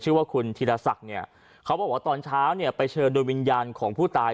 ชื่อว่าคุณธรรษักเนี่ยเขาบอกว่าตอนเช้าไปเชิญดูวิญญาติของผู้ตาย